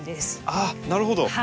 ああなるほど。